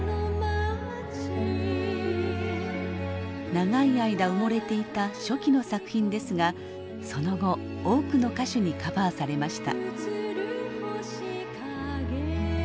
長い間埋もれていた初期の作品ですがその後多くの歌手にカバーされました。